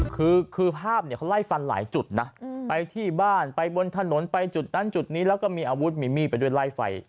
คือภาพเขาไล่ฟันหลายจุดนะไปที่บ้านไปบนถนนไปจุดนั้นจุดนี้แล้วก็มีอาวุธมีมีดไปด้วยไล่ไฟ